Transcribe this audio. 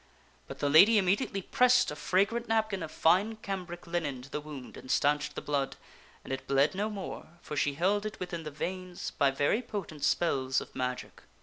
But the lady immediately pressed a fragrant nap kin of fine cambric linen to the wound and stanched the blood, and it bled no more, for she held it within the veins by very potent spells of magic.